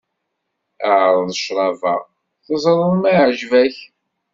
Ԑreḍ ccrab-a, teẓreḍ ma iεǧeb-ak.